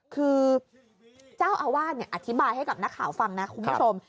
คือเจ้าอาวาสอธิบายให้กับนักข่าวฟังนะคุณผู้ชม